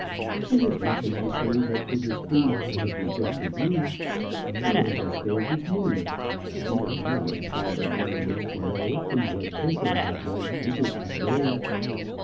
It is nothing to say that it is he who has rejected you. You understand his moods; even I understand them well enough to know in what temper that last visit was made.